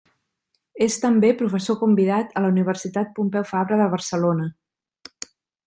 És també professor convidat a la Universitat Pompeu Fabra de Barcelona.